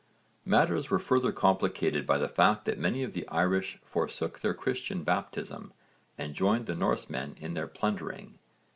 Matters were further complicated by the fact that many of the Irish forsook their Christian baptism and joined the Norsemen in their plundering.